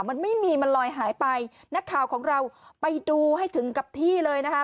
มันไม่มีมันลอยหายไปนักข่าวของเราไปดูให้ถึงกับที่เลยนะคะ